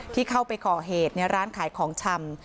ที่เข้าไปก่อเหตุในร้านขายของชำ